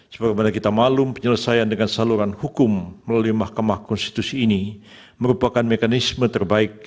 sebagaimana kita maklum penyelesaian dengan saluran hukum melalui mahkamah konstitusi ini merupakan mekanisme terbaik